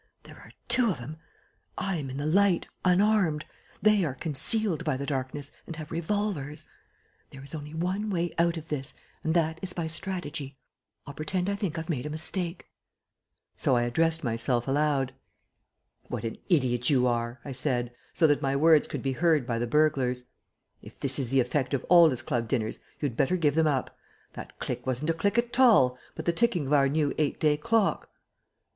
"There are two of 'em; I am in the light, unarmed. They are concealed by the darkness and have revolvers. There is only one way out of this, and that is by strategy. I'll pretend I think I've made a mistake." So I addressed myself aloud. "What an idiot you are," I said, so that my words could be heard by the burglars. "If this is the effect of Aldus Club dinners you'd better give them up. That click wasn't a click at all, but the ticking of our new eight day clock."